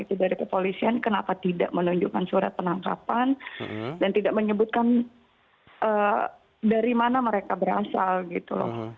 itu dari kepolisian kenapa tidak menunjukkan surat penangkapan dan tidak menyebutkan dari mana mereka berasal gitu loh